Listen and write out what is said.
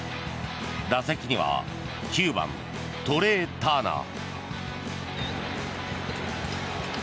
打席には９番、トレー・ターナー。